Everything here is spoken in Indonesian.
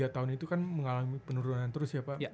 tiga tahun itu kan mengalami penurunan terus ya pak